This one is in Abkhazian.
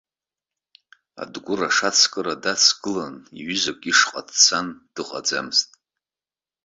Адгәыр ашацкара даҵагыланы иҩызак ишҟа дцан дыҟаӡамызт.